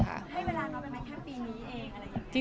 ให้เวลาก็เป็นมันแค่ปีนี้เองอะไรอย่างนี้ค่ะ